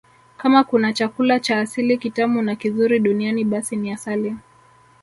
Kama kuna chakula cha asili kitamu na kizuri duniani basi ni asali